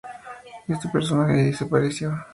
Este personaje allí desapareció.